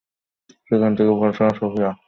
সেখানে থাকেন ফরচুনা সোফিয়া।